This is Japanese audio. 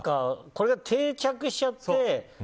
これが定着しちゃって。